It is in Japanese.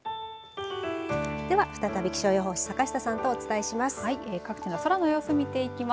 では再び気象予報士坂下さんとお伝えします。